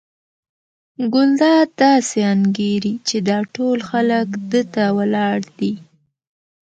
ګلداد داسې انګېري چې دا ټول خلک ده ته ولاړ دي.